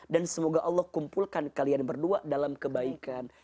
dan semoga allah kumpulkan kalian berdua dalam kebaikan